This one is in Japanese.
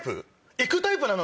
行くタイプなの？